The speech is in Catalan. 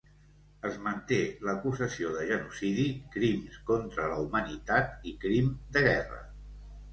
Es manté l'acusació de genocidi, crims contra la humanitat, i crim de guerra.